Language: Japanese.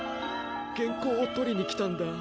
げんこうを取りに来たんだ。